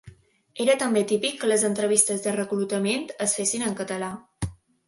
Era també típic que les entrevistes de reclutament es fessin en català.